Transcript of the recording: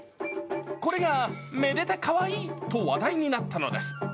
これがめでたかわいいと話題になったのです。